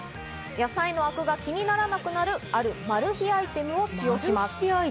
野菜のアクが気にならなくなる、あるマル秘アイテムを使います。